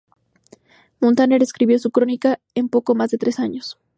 Muntaner escribió su "Crónica" en poco más de tres años.